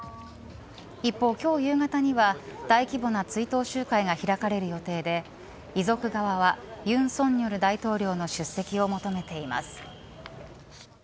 一方、今日夕方には大規模な追悼集会が開かれる予定で遺族側は尹錫悦大統領の出席を求めています。